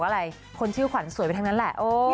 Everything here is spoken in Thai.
ฮัลโหลฮะ